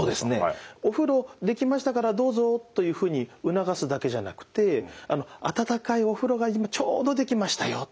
「お風呂出来ましたからどうぞ」というふうに促すだけじゃなくて「温かいお風呂が今ちょうど出来ましたよ」と言ったり。